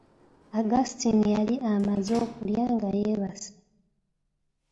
Augustine yali amaze okulya nga yeebase.